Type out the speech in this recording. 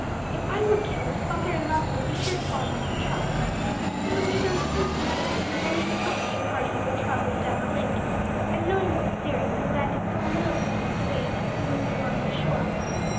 If I were killed, father and mother would be sure to fall into the trap. From the way those geese behaved I believe it must be a party who were travelling down the lake, and, knowing of the clearing, they landed some little distance away and moved along the shore.